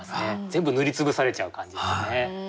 全部塗り潰されちゃう感じですよね。